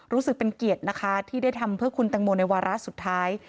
รู้สึกเป็นเกียรตินะคะที่ได้ทำเพื่อคุณตังโมในวาระสุดท้าย